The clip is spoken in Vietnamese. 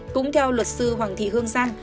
cũng theo luật sư hoàng thị hương giang